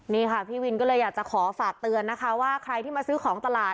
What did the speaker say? นี่ค่ะพี่วินก็เลยอยากจะขอฝากเตือนนะคะว่าใครที่มาซื้อของตลาด